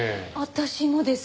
私もです。